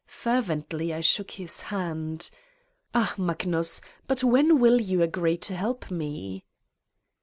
Fervently I shook his hand: "Ah, Magnus! 4 .. But when will you agree to help me!"